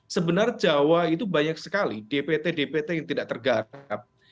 sebenarnya jawa itu banyak sekali dpt dpt yang tidak tergarap